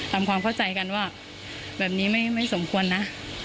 ทำความเข้าใจกันว่าแบบนี้ไม่สมควรนะ